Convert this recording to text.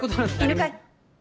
犬飼。